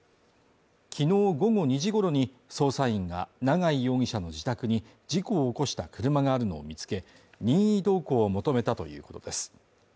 きのう午後２時ごろに捜査員が長井容疑者の自宅に事故を起こした車があるのを見つけ、任意同行を求めたということです。